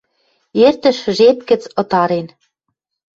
Эртӹш жеп гӹц ытарен.